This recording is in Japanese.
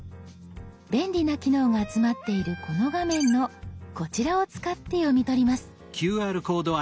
便利な機能が集まっているこの画面のこちらを使って読み取ります。